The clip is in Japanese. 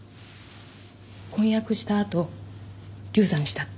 婚約した後流産したって。